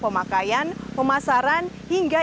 pemakaian pemasaran hingga